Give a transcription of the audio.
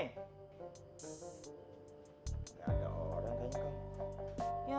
gak ada orang aja